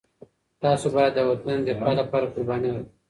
تاسو باید د وطن د دفاع لپاره قرباني ورکړئ.